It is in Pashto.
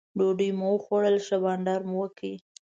ډوډۍ مو وخوړل ښه بانډار مو وکړ.